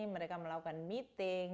mereka melakukan meeting